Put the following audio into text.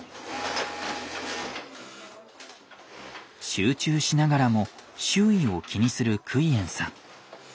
集中しながらも周囲を気にするクイエンさん。